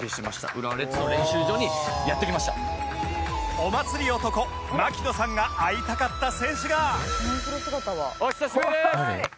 お祭り男槙野さんが会いたかった選手がお久しぶりです！